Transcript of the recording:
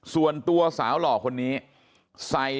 สวัสดีครับคุณผู้ชาย